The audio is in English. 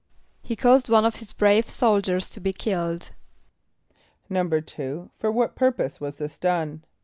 =He caused one of his brave soldiers to be killed.= =2.= For what purpose was this done?